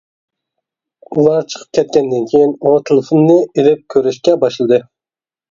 ئۇلار چىقىپ كەتكەندىن كېيىن ئۇ تېلېفونىنى ئېلىپ كۆرۈشكە باشلىدى.